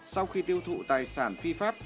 sau khi tiêu thụ tài sản phi pháp